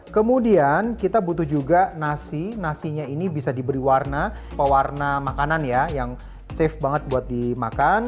kemudian kita butuh juga nasi nasinya ini bisa diberi warna pewarna makanan ya yang safe banget buat dimakan